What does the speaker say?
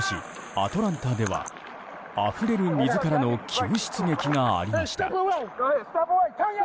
アトランタではあふれる水からの救出劇がありました。